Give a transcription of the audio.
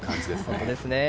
本当ですね。